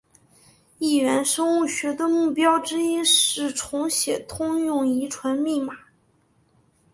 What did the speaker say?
异源生物学的目标之一是重写通用遗传密码。